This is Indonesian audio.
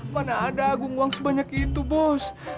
mana ada agung uang sebanyak itu bos